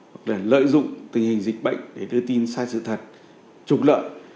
hoặc là lợi dụng tình hình dịch bệnh để đưa tin sai sự thật trục lợi